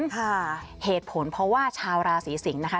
ค่ะเหตุผลเพราะว่าชาวราศีสิงศ์นะคะ